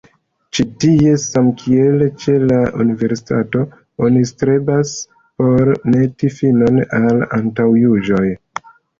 Ĉi tie, samkiel ĉe la universitatoj, oni strebas por meti finon al antaŭjuĝoj".